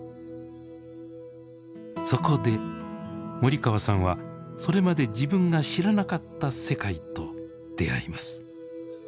そこで森川さんはそれまで自分が知らなかった世界と出会います。